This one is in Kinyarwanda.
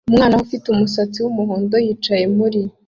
Umwana ufite umusatsi wumuhondo yicaye muri